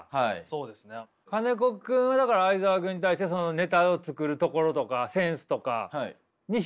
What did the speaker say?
金子君はだから相澤君に対してネタを作るところとかセンスとかに引かれてる？